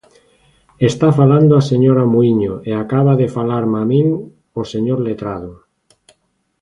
Está falando a señora Muíño e acaba de falarme a min o señor letrado.